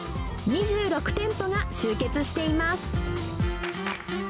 ２６店舗が集結しています。